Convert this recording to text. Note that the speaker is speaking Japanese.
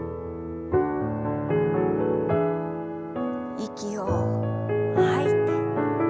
息を吐いて。